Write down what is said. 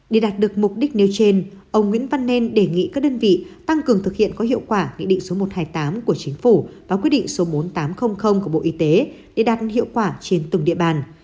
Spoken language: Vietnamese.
để đạt được mục đích nêu trên ông nguyễn văn nên đề nghị các đơn vị tăng cường thực hiện có hiệu quả nghị định số một trăm hai mươi tám của chính phủ và quyết định số bốn nghìn tám trăm linh của bộ y tế để đạt hiệu quả trên từng địa bàn